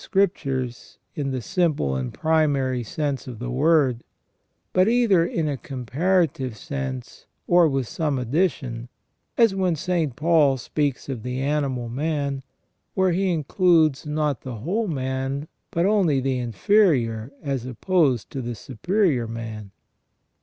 Scriptures in the simple and primary sense of the word, but either in a comparative sense or with some addition ; as when St. Paul speaks of the animal man, where he includes not the whole man, but only the inferior as opposed to the superior man.